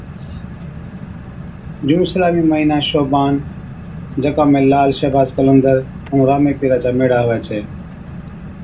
جُون اسلامي مھِينا شعبان، جڪا ۾ لعل شھباز قلندر ائُون رامي پيرا چا ميڙا ھُوي ڇَي